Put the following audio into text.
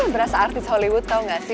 berasa artis hollywood tau gak sih